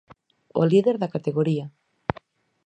O líder da categoría.